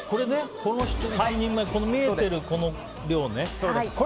この１人前ね見えてる量ね。